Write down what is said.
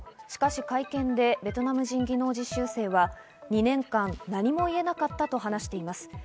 しかし、会見でベトナム人技能実習生は２年間、何も言えなかったと話しています。